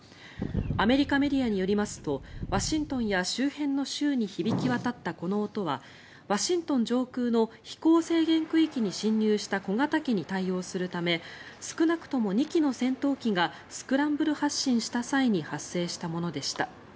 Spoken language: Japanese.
アメリカメディアによりますとワシントンや周辺の州に響き渡ったこの音はワシントン上空の飛行制限区域に侵入した小型機に対応するため少なくとも２機の戦闘機がスクランブル発進した際に発生したものでした。